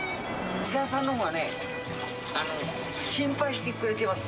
お客さんのほうがね、心配してくれてます。